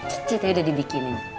cucu tadi dibikininya